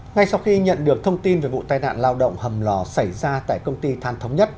ngay sau khi nhận được thông tin về vụ tai nạn lao động hầm lò xảy ra tại công ty than thống nhất